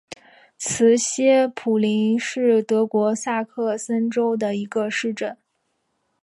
茨歇普林是德国萨克森州的一个市镇。